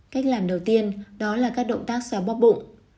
cách làm đầu tiên đó là các động tác xóa bóp bụng